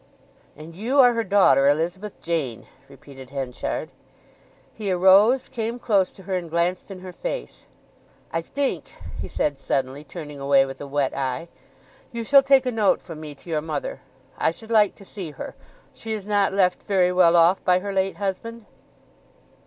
"And you are her daughter Elizabeth Jane?" repeated Henchard. He arose, came close to her, and glanced in her face. "I think," he said, suddenly turning away with a wet eye, "you shall take a note from me to your mother. I should like to see her.... She is not left very well off by her late husband?"